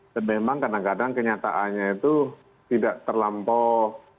dan memang kadang kadang kenyataannya itu tidak terlampau